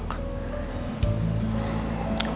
memang ada tolak